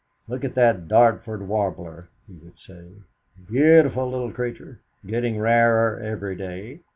"Look at this Dartford Warbler," he would say; "beautiful little creature getting rarer every day.